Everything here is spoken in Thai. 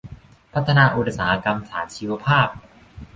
พัฒนาอุตสาหกรรมฐานชีวภาพ